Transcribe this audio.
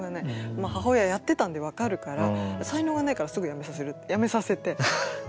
母親やってたんで分かるから才能がないからすぐやめさせるってやめさせて。